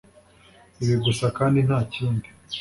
ibi gusa, kandi ntakindi